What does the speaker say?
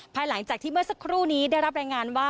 ภายหลังจากที่เมื่อสักครู่นี้ได้รับรายงานว่า